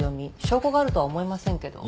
証拠があるとは思えませんけど。